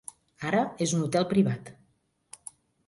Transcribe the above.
Ara és un hotel privat.